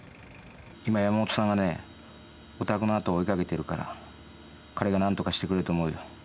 今山本さんがねお宅の後追いかけてるから彼が何とかしてくれると思うよ。